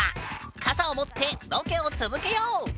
傘を持ってロケを続けよう！